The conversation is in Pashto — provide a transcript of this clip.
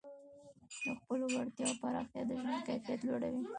د خپلو وړتیاوو پراختیا د ژوند کیفیت لوړوي.